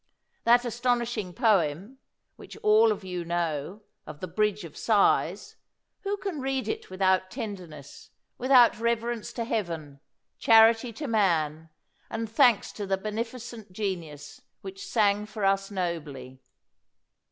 That as tonishing poem, which you all of you know, of the "Bridge of Sighs," — who can read it with out tenderness, without reverence to heaven, charity to man, and thanks to the beneficent genius which sang for us nobly?